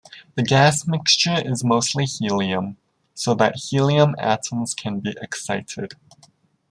The gas mixture is mostly helium, so that helium atoms can be excited.